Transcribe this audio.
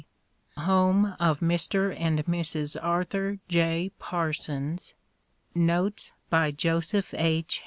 Home of Mr. and Mrs. Arthur J. Parsons. Notes by Joseph H.